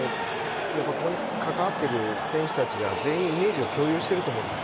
ここに関わっている選手が、全員イメージを共有していると思うんです